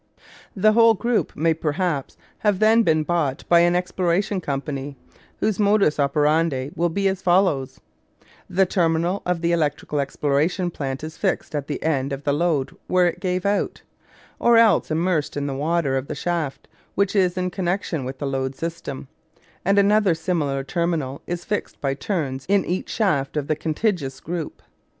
The whole group may perhaps have then been bought by an exploration company whose modus operandi will be as follows: The terminal of the electrical exploration plant is fixed at the end of the lode where it gave out, or else immersed in the water of the shaft which is in connection with the lode system; and another similar terminal is fixed by turns in each shaft of the contiguous group.